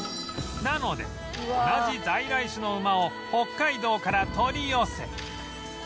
なので同じ在来種の馬を北海道から取り寄せ